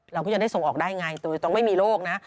เราก็จะได้ส่งออกได้ไงโดยตรงไม่มีโรคนะ